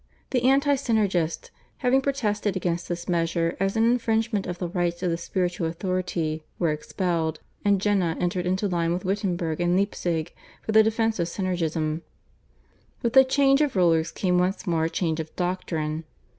The anti Synergists, having protested against this measure as an infringement of the rights of the spiritual authority, were expelled, and Jena entered into line with Wittenberg and Leipzig for the defence of Synergism. With the change of rulers came once more a change of doctrine.